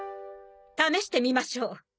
試してみましょう。